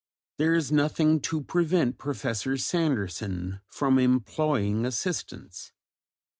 There is nothing to prevent Professor Sanderson from employing assistants.